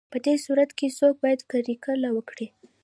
په دې صورت کې څوک باید کرکیله وکړي